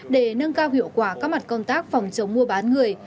để nâng cao hiệu quả các mặt công tác phòng chống mua bán người